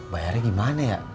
bayarnya gimana ya